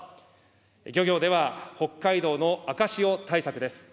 漁業では、北海道の赤潮対策です。